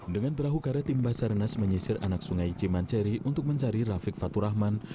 dengan berahu karet tim basarnas menyisir anak sungai cimanceri untuk mencari rafiq faturahman